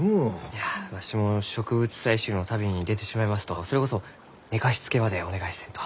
いやわしも植物採集の旅に出てしまいますとそれこそ寝かしつけまでお願いせんと。